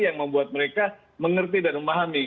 yang membuat mereka mengerti dan memahami